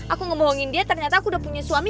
aku ngomongin dia ternyata aku udah punya suami